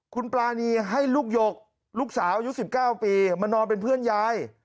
คุณปรานีให้ลูกหยกลูกสาวอายุ๑๙ปีมานอนเป็นเพื่อนยาย